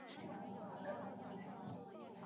数码排字令它们蓬勃复苏。